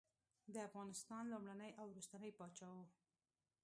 د افغانستان لومړنی او وروستنی پاچا وو.